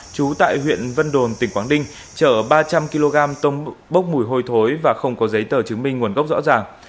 trú tại huyện vân đồn tỉnh quảng ninh chở ba trăm linh kg bốc mùi hôi thối và không có giấy tờ chứng minh nguồn gốc rõ ràng